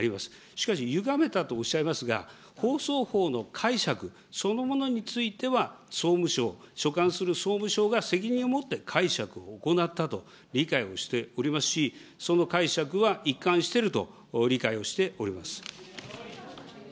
しかしゆがめたとおっしゃいますが、放送法の解釈そのものについては、総務省、所管する総務省が責任を持って解釈を行ったと理解をしておりますし、その解釈は一貫してると理解をしております。